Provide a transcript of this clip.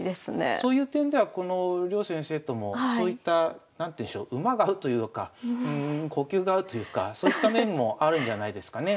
そういう点では両先生ともそういった何ていうんでしょう馬が合うというか呼吸が合うというかそういった面もあるんじゃないですかね。